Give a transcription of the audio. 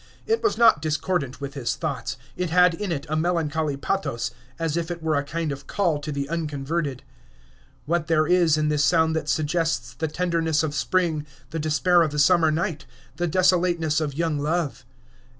It was not discordant with his thoughts; it had in it a melancholy pathos, as if it were a kind of call to the unconverted. What is there in this sound that suggests the tenderness of spring, the despair of a summer night, the desolateness of young love?